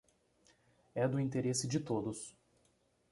É do interesse de todos.